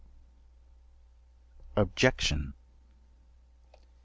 Objection.